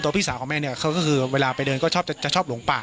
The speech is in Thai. ปกติพี่สาวเราเนี่ยครับเป็นคนเชี่ยวชาญในเส้นทางป่าทางนี้อยู่แล้วหรือเปล่าครับ